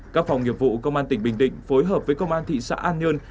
các phòng nghiệp vụ công an tỉnh bình định phối hợp với công an thị xã an nhơn